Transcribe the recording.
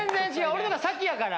俺の方が先やから。